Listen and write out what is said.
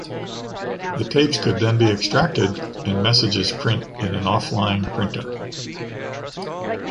The tapes could then be extracted and messages print in an “off-line” printer.